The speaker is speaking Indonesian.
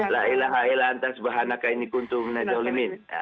lailaha ila antar subhanaka inni kuntumna jaulimin